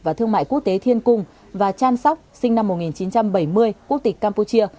và thương mại quốc tế thiên cung và chan sóc sinh năm một nghìn chín trăm bảy mươi quốc tịch campuchia